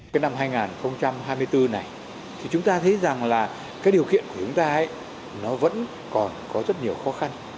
cái năm hai nghìn hai mươi bốn này thì chúng ta thấy rằng là cái điều kiện của chúng ta ấy nó vẫn còn có rất nhiều khó khăn